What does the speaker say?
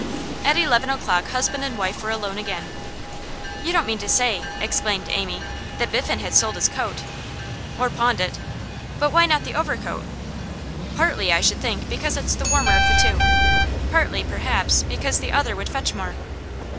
At eleven o'clock husband and wife were alone again. 'You don't mean to say,' exclaimed Amy, 'that Biffen has sold his coat?' 'Or pawned it.' 'But why not the overcoat?' 'Partly, I should think, because it's the warmer of the two; partly, perhaps, because the other would fetch more.